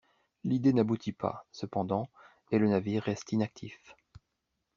L'idée n'aboutit pas, cependant, et le navire reste inactif.